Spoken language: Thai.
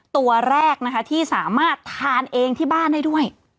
ตัวแรกนะคะที่สามารถทานเองที่บ้านได้ด้วย